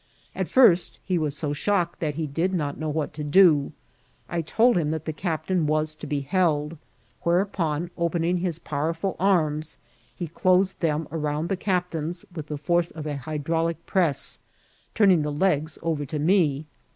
At first he was so shocked that he did not know what to do. I told him that the captain was to be held, whereupon, opening his powerful arms, he closed them around the captain's with the force of a hydraulic press, turning the legs over to me.